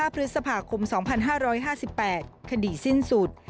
พฤษภาคม๒๕๕๘คดีสิ้นสุด